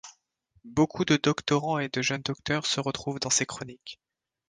Beaucoup de doctorants et de jeunes docteurs se retrouvent dans ces chroniques.